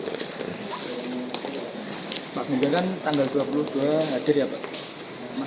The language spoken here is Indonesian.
pak ganjar kan tanggal dua puluh dua hadir ya pak